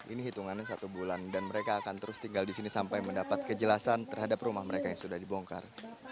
ini hitungannya satu bulan dan mereka akan terus tinggal di sini sampai mendapat kejelasan terhadap rumah mereka yang sudah dibongkar